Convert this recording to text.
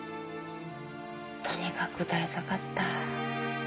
とにかく歌いたかった。